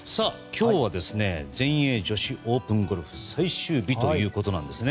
今日は、全英女子オープンゴルフ最終日ということです。